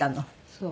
そう。